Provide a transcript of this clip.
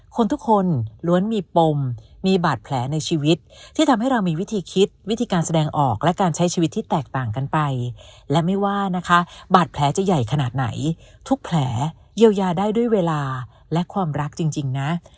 คนทุกคนล้วนมีปมมีบาดแผลในชีวิตที่ทำให้เรามีวิธีคิดวิธีการแสดงออกและการใช้ชีวิตที่แตกต่างกันไปและไม่ว่านะคะบาดแผลจะใหญ่ขนาดไหนทุกแผลเยียวยาได้ด้วยเวลาและความรักจริงนะ